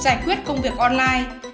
giải quyết công việc online